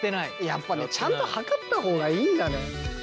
やっぱねちゃんとはかった方がいいんだね。